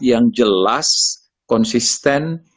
yang jelas konsisten